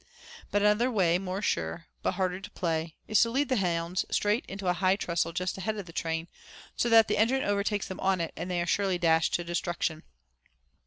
But another way more sure, but harder to play, is to lead the hounds straight to a high trestle just ahead of the train, so that the engine overtakes them on it and they are surely dashed to destruction.